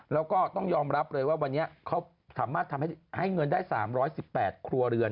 แล้วก็ต้องยอมรับเลยว่าวันนี้เขาสามารถทำให้เงินได้๓๑๘ครัวเรือน